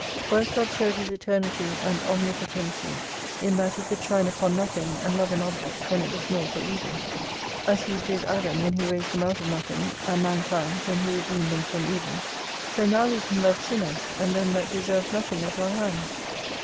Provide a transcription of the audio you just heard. For as God showed His eternity and omnipotency in that He could shine upon nothing and love an object when it was nought or evil ; as He did Adam v/hen He raised him out of nothing, and mankind when He redeemed them from evil : so now we can love sinners, and them that deserve nothing at our hands.